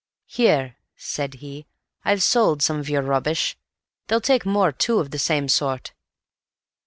"Here," said he; "I've sold some of your rubbish. They'll take more too, of the same sort."